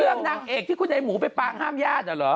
เรื่องนางเอกที่คุณนายหมูพาห้ามญาติอ่ะเหรอ